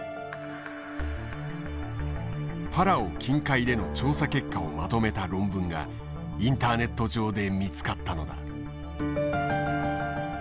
パラオ近海での調査結果をまとめた論文がインターネット上で見つかったのだ。